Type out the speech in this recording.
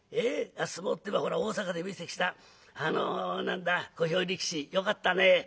相撲っていえばほら大坂で見てきたあの何だ小兵力士よかったね。